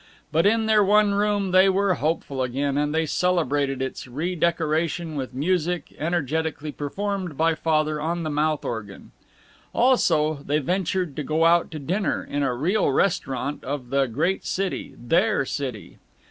But in their one room they were hopeful again, and they celebrated its redecoration with music energetically performed by Father on the mouth organ. Also they ventured to go out to dinner, in a real restaurant of the great city, their city.